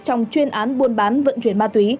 trong chuyên án buôn bán vận chuyển ma túy